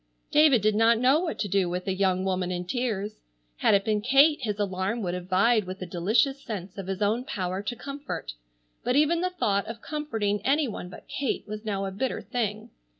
David did not know what to do with a young woman in tears. Had it been Kate his alarm would have vied with a delicious sense of his own power to comfort, but even the thought of comforting any one but Kate was now a bitter thing.